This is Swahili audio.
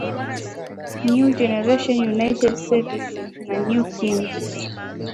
New Generation United Service na New Kings